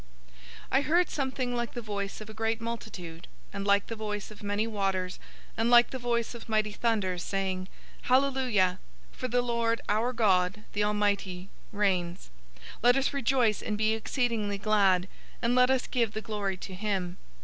019:006 I heard something like the voice of a great multitude, and like the voice of many waters, and like the voice of mighty thunders, saying, "Hallelujah! For the Lord our God, the Almighty, reigns! 019:007 Let us rejoice and be exceedingly glad, and let us give the glory to him.